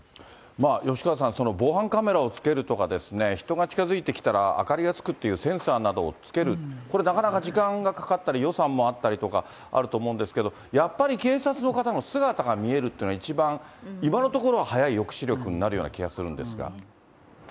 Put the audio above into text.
吉川さん、防犯カメラをつけるとかですね、人が近づいてきたら明かりがつくっていうセンサーなどをつける、これなかなか、時間がかかったり、予算もあったりとかあると思うんですけど、やっぱり警察の方の姿が見えるというのは一番、今のところ、早い抑止力になるような気がするんですが。